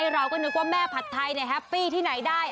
เราก็นึกว่าแม่ผัดไทยแฮปปี้ที่ไหนได้